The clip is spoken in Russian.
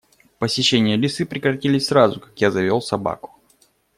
Посещения лисы прекратились сразу, как я завёл собаку.